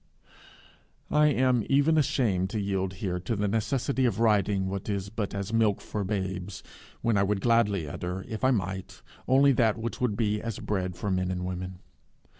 I am even ashamed to yield here to the necessity of writing what is but as milk for babes, when I would gladly utter, if I might, only that which would be as bread for men and women.